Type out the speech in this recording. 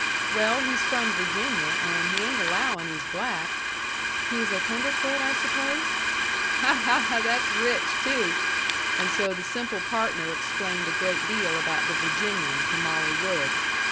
"Well he's from Virginia, and he ain't allowin' he's black." "He's a tenderfoot, I suppose?" "Ha, ha, ha! That's rich, too!" and so the simple partner explained a great deal about the Virginian to Molly Wood.